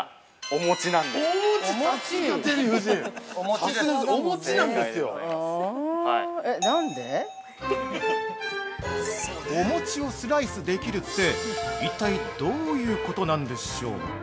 ◆お餅をスライスできるって、一体どういうことなんでしょう？